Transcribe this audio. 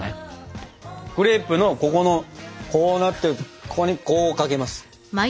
クレープのここのこうなってるここにこうかけます。